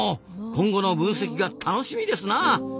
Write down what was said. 今後の分析が楽しみですな。